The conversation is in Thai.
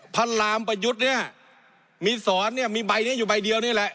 พระรามประยุทธ์เนี่ยมีสอนเนี่ยมีใบนี้อยู่ใบเดียวนี่แหละ